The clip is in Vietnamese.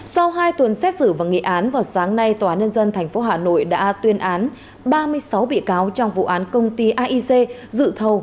sau hai tuần xét xử và nghị án vào sáng nay tòa nhân dân tp hà nội đã tuyên án ba mươi sáu bị cáo trong vụ án công ty aic dự thầu